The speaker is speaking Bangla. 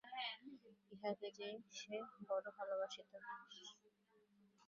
ইহাকে যে সে বড়ো ভালোবাসিত।